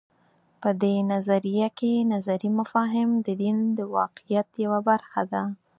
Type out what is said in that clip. په دې نظریه کې نظري مفاهیم د دین د واقعیت یوه برخه ده.